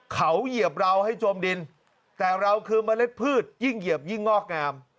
เขาเหยียบเราให้จมดินแต่เราคือเมล็ดพืชยิ่งเหยียบยิ่งงอกงาม